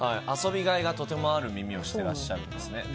遊びがいがとてもある耳をしていらっしゃるんですね。